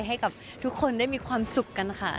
ให้กับทุกคนได้มีความสุขกันค่ะ